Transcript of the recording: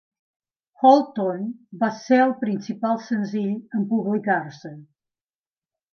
"Hold On" va ser el principal senzill en publicar-se.